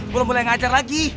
belum boleh ngajar lagi